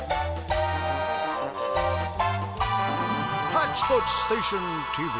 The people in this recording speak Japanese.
「ハッチポッチステーションＴＶ」。